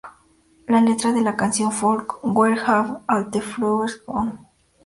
La letra de la canción folk "Where Have All the Flowers Gone?